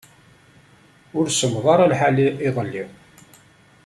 Ur semmeḍ ara lḥal iḍelli.